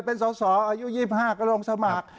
เป็นสอสออายุ๒๕ก็ลงสมัคร